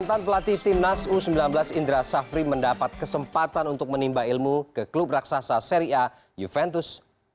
mantan pelatih timnas u sembilan belas indra syafri mendapat kesempatan untuk menimba ilmu ke klub raksasa seri a juventus